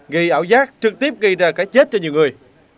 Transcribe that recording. gây ảo giác trực tiếp gây ra cái chết cho nhiều người